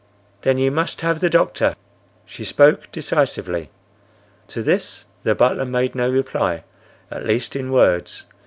"Then you must have the doctor." She spoke decisively. To this the butler made no reply, at least in words.